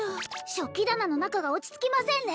食器棚の中が落ち着きませんね